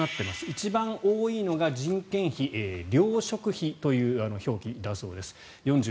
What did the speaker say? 一番多いのが人件費、糧食費という表記だそうです。